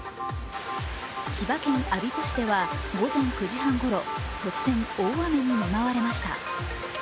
千葉県我孫子市では午前９時半ごろ突然、大雨に見舞われました。